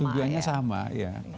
tujuannya sama ya